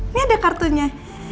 ini ada kartunya